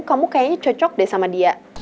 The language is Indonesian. kamu kayaknya cocok deh sama dia